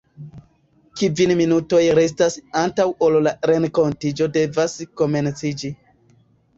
Kvin minutoj restas antaŭ ol la renkontiĝo devas komenciĝi.